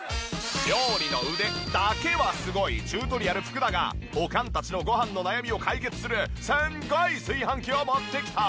料理の腕だけはすごいチュートリアル福田がおかんたちのごはんの悩みを解決するすごい炊飯器を持ってきた！